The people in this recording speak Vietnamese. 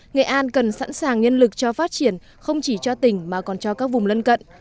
nghệ an cần sẵn sàng nhân lực cho phát triển không chỉ cho tỉnh mà còn cho các vùng lân cận